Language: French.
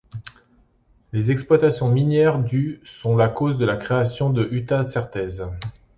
Les exploitations minières du sont la cause de la création de Huta-Certeze.